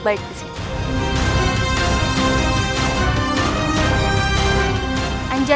kita akan mencoba untuk mencoba